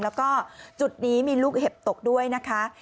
แล้วก็จุดนี้มีลูกเห็บตกด้วยนะคะ